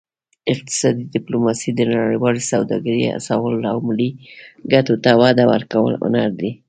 اقتصادي ډیپلوماسي د نړیوالې سوداګرۍ هڅولو او ملي ګټو ته وده ورکولو هنر دی